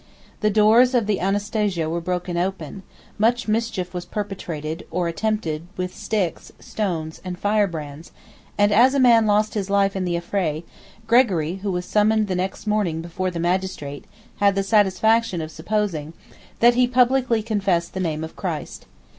The doors of the Anastasia were broke open; much mischief was perpetrated, or attempted, with sticks, stones, and firebrands; and as a man lost his life in the affray, Gregory, who was summoned the next morning before the magistrate, had the satisfaction of supposing, that he publicly confessed the name of Christ.